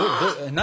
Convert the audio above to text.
何？